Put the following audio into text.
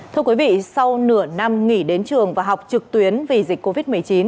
thưa quý vị sau nửa năm nghỉ đến trường và học trực tuyến vì dịch covid một mươi chín